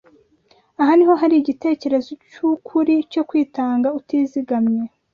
Aha niho hari igitekerezo cy’ukuri cyo kwitanga utizigamye